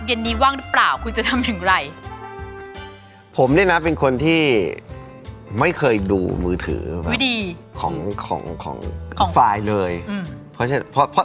เย็นนี้ว่างหรือเปล่าคุณจะทำอย่างไรผมเนี้ยนะเป็นคนที่ไม่เคยดูมือถือดีของของของของเลยอืม